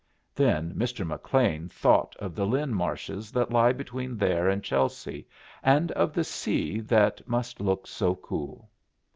Then Mr. McLean thought of the Lynn marshes that lie between there and Chelsea, and of the sea that must look so cool.